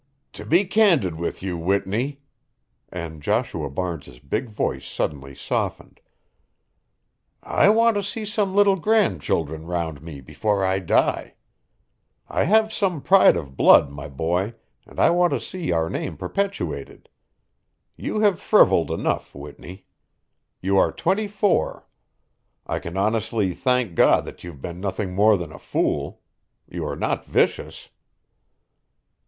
"To be candid with you, Whitney," and Joshua Barnes's big voice suddenly softened, "I want to see some little grand children round me before I die. I have some pride of blood, my boy, and I want to see our name perpetuated. You have frivolled enough, Whitney. You are twenty four. I can honestly thank God that you've been nothing more than a fool. You are not vicious."